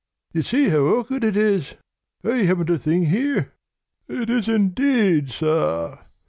You see how awkward it is! I haven't a thing here." "It is indeed, sir!